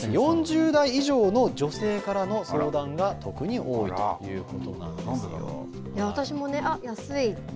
特に４０代以上の女性からの相談が特に多いということなんですよ。